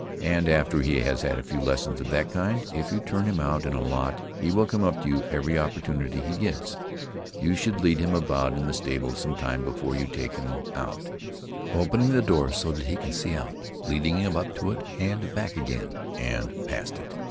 And after he has had a few lessons of that kind, if you turn him out in a lot he will come up to you every opportunity he gets. You should lead him about in the stable some time before you take him out, opening the door, so that he can see out, leading him up to it and back again, and past it.